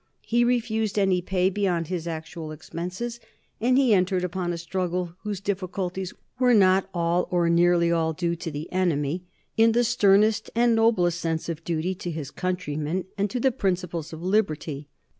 He refused any pay beyond his actual expenses, and he entered upon a struggle whose difficulties were not all or nearly all due to the enemy in the sternest and noblest sense of duty to his countrymen and to the principles of liberty.